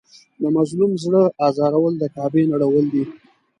د مظلوم زړه ازارول د کعبې نړول دي.